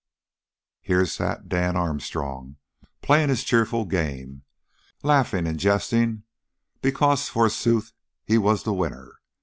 Here sat Dan Armstrong playing his cheerful game, laughing and jesting, because forsooth he was the winner.